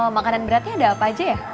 makanan beratnya ada apa aja ya